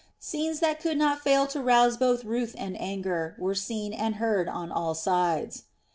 Scenes that could not fail to rouse both ruth and anger were seen and heard on all sides.